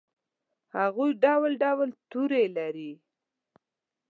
هغوي ډول ډول تورې لري